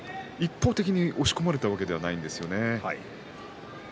一方的に押し込まれてしまったわけではないんですよね。